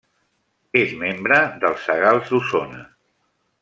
És membre dels Sagals d'Osona.